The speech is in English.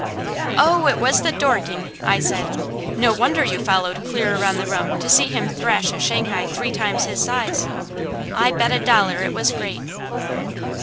"Oh, it was the Dorking!" I said. "No wonder you followed clear around the room to see him thrash a Shanghai three times his size! I bet a dollar it was great!"